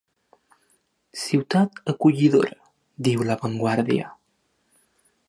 Ciutat acollidora', diu 'La Vanguardia'